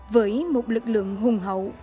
với một lực lượng hùng hậu